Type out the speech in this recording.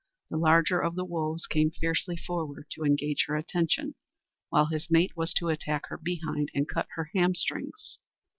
The larger of the wolves came fiercely forward to engage her attention, while his mate was to attack her behind and cut her hamstrings.